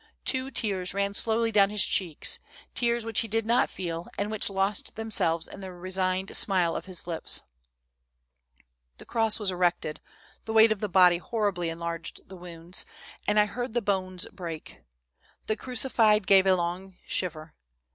Two tears ran slowly down his cheeks, tears which he did not feel and which lost themselves in the resigned smile of his lips. THE soldiers' DREAMS. 291 " The cross was erected ; the weight of the body hor ribly enlarged the wounds, and I heard the bones break. The crucified gave a long shiver.